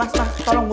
ah sakit itu bener